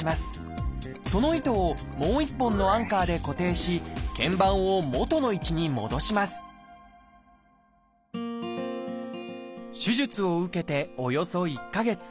その糸をもう一本のアンカーで固定し腱板をもとの位置に戻します手術を受けておよそ１か月。